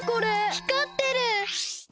ひかってる！